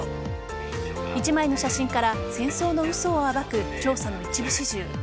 １枚の写真から戦争の嘘を暴く調査の一部始終。